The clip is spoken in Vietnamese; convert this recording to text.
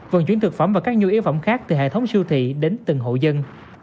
vận chuyển thực phẩm và các nhu yếu phẩm khác từ hệ thống siêu thị đến từng hộ dân